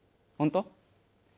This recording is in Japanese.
ほんと？